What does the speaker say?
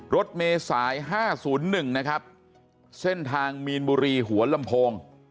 รถเมษาย๕๐๑นะครับเส้นทางมีนบุรีหัวลำโพง